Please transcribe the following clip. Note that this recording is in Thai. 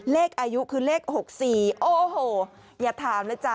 เลขอายุคือเลข๖๔โอ้โหอย่าถามนะจ๊ะ